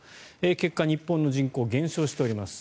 結果、日本の人口は減少しています。